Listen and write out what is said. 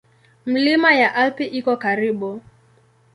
Milima ya Alpi iko karibu.